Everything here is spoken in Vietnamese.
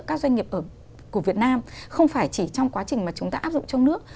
các doanh nghiệp của việt nam không phải chỉ trong quá trình mà chúng ta áp dụng trong nước